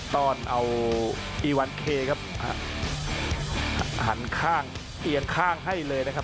ตอนเอาอีวันเคครับหันข้างเอียงข้างให้เลยนะครับ